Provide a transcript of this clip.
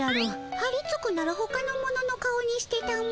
はりつくならほかの者の顔にしてたも。